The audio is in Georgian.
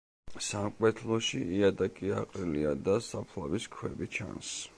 სამკვეთლოში იატაკი აყრილია და საფლავის ქვები ჩანს.